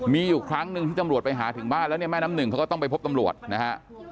มีอยู่ครั้งหนึ่งที่ตำรวจไปหาถึงบ้านแล้วเนี่ยแม่น้ำหนึ่งเขาก็ต้องไปพบตำรวจนะฮะ